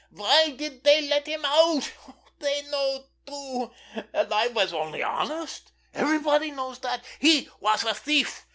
Why did they let him out? They know, too! And I was only honest—everybody knows that. He was a thief.